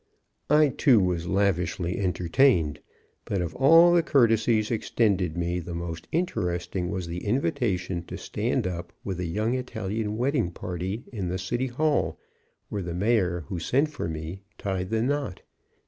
I, too, was lavishly entertained. But of all the courtesies extended me the most interesting was the invitation to stand up with a young Italian wedding party in the City Hall, where the Mayor, who sent for me, tied the knot.